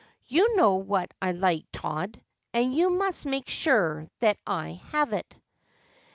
You know what I like, Todd, and you must make sure that 1 have it.'